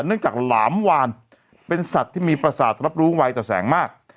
เนื่องจากหลามวานเป็นสัตว์ที่มีประสาทรับรู้วัยต่อแสงมาก